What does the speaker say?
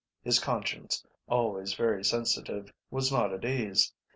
His conscience, always very sensitive, was not at ease.